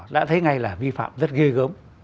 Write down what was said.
đã thấy ngay là vi phạm rất ghê gớm